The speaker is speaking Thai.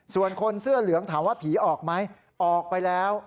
ส่วนคนเสื้อเหลืองถามว่าผีออกไหมออกไปแล้ว